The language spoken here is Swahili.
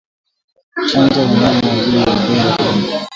Chanja wanyama dhidi ya ugonjwa huu